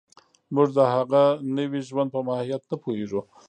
موږ د هغه نوي ژوند په ماهیت نه پوهېږو